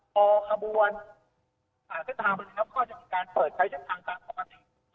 พอขบวนผ่านเส้นทางมานะครับก็จะมีการเปิดใช้เส้นทางตามปกติ